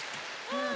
うん！